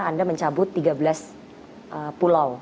anda mencabut tiga belas pulau